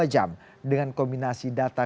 dua jam dengan kombinasi data